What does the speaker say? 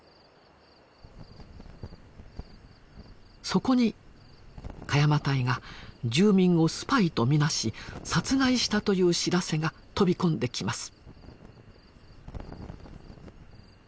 そこに鹿山隊が住民をスパイとみなし殺害したという知らせが飛び込んできます。